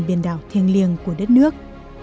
biển đảo thiêng liêng của đất nước